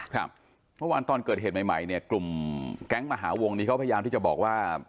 ครับเมื่อวานตอนเกิดเหตุใหม่เนี่ยกลุ่มแก๊งมหาวงนี้เขาพยายามที่จะบอกว่า